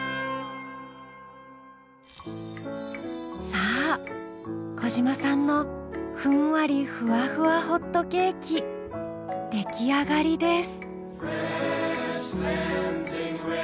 さあ小嶋さんのふんわりふわふわホットケーキ出来上がりです。